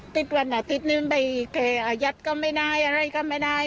ติดวันอาทิตย์นี่มันไปแก่อาญัตก็ไม่ได้อะไรก็ไม่ได้